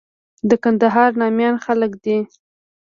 د کندهار ناميان خلک دي.